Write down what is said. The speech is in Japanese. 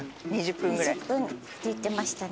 ２０分って言ってましたね。